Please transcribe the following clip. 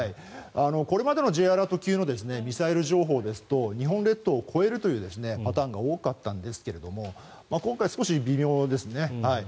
これまでのＪアラート級のミサイル情報ですと日本列島を越えるというパターンが多かったんですが今回、少し微妙ですね。